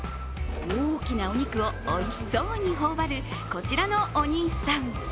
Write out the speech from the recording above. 大きなお肉をおいしそうに頬張るこちらのお兄さん。